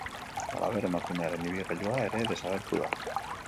Halaber, emakumearen ibilgailua ere desagertu da.